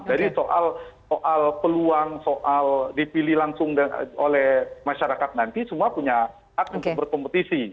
jadi soal peluang soal dipilih langsung oleh masyarakat nanti semua punya hak untuk berkompetisi